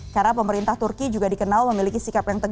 karena pemerintah turki juga dikenal memiliki sikap yang tegas